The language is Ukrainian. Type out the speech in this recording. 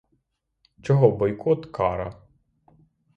Чого бойкот — кара?